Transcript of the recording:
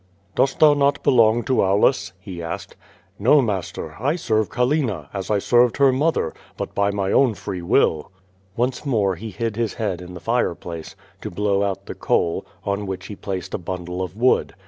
"Dost tliou not belong to Aulus?" he asked. "No, master, I sctvc (*allina, as I served her mother, but by my own free will." Once more he hid his head in the fireplace, to blow out the QUO TADIS. 203 coal, on which he placed a bundle of wood.